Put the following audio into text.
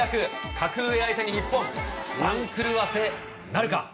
格上相手に日本、番狂わせなるか。